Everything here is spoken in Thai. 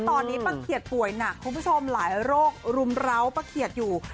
ตอนนี้ป้าเขียดป่วยหนักคุณผู้ชมหลายโรครุมร้าวป้าเขียดอยู่